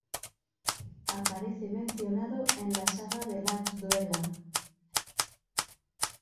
Aparece mencionado en la saga de Laxdœla.